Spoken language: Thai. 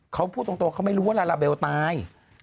เขาพูดตรงเขาไม่รู้ว่าลาลาเบลตาย